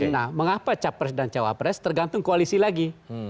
nah mengapa capres dan cawapres tergantung koalisi lagi